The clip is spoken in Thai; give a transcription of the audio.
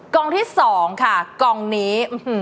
กองที่๒ค่ะกองนี้